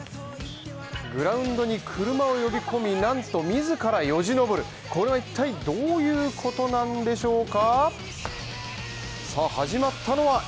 グラウンドに車を呼び込みなんと自らよじ登るこれは一体どういうことなんでしょうか？